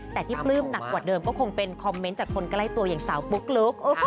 แต่ที่ปลื้มหนักกว่าเดิมก็คงเป็นคอมเมนต์จากคนใกล้ตัวอย่างสาวปุ๊กลุ๊ก